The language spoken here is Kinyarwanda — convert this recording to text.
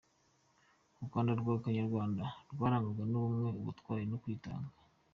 U Rwanda rwa Kanyarwanda rwarangwaga n’ubumwe, ubutwari no kwitanga.